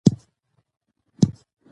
افغانستان د دریابونه کوربه دی.